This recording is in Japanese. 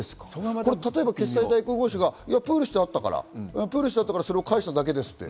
例えば決済代行業者がプールしてあったから、それを返しただけですと。